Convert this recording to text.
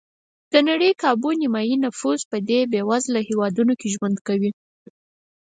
د نړۍ کابو نیمایي نفوس په دې بېوزله هېوادونو کې ژوند کوي.